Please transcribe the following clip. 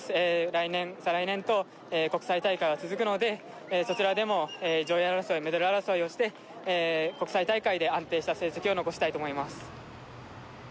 来年再来年と国際大会は続くのでそちらでも上位争いメダル争いをして国際大会で安定した成績を残したいと思います